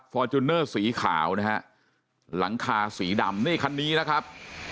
จูเนอร์สีขาวนะฮะหลังคาสีดำนี่คันนี้นะครับ